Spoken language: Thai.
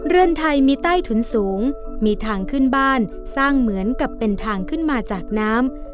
เรือนไทยมีใต้ถุนสูงมีทางขึ้นบ้านสร้างเหมือนกับเป็นทางขึ้นมาจากน้ำ